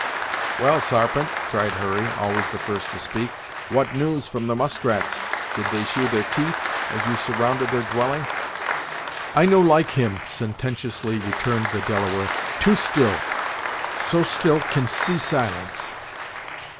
"Well, Sarpent," cried Hurry, always the first to speak, "what news from the muskrats? Did they shew their teeth, as you surrounded their dwelling?" "I no like him," sententiously returned the Delaware. "Too still. So still, can see silence!"